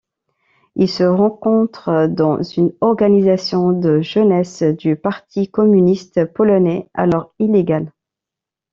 Ils se rencontrent dans une organisation de jeunesse du Parti communiste polonais, alors illégal.